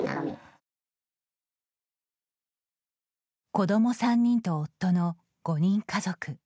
子ども３人と夫の５人家族。